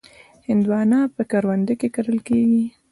هندوانه په کرونده کې کرل کېږي.